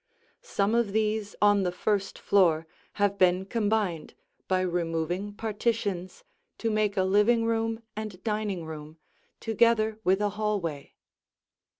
Some of these on the first floor have been combined by removing partitions to make a living room and dining room, together with a hallway.